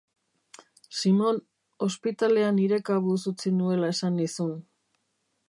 Simon, ospitalea nire kabuz utzi nuela esan nizun.